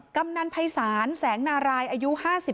กำนันภัยศาลแสงนารายอายุ๕๓